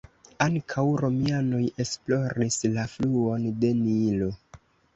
Ankaŭ romianoj esploris la fluon de Nilo.